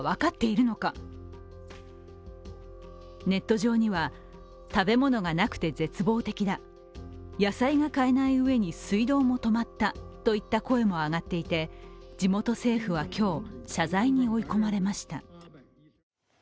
ネット上には、食べ物がなくて絶望的だ野菜が買えないうえに水道も止まったといった声も上がっていて地元政府は今日、謝罪に追い込まれました。